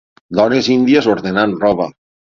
Dones índies ordenant roba.